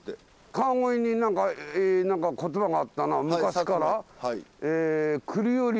川越に何かえ何か言葉があったな昔から。